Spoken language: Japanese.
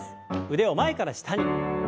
腕を前から下に。